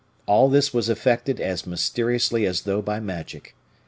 All this was effected as mysteriously as though by magic.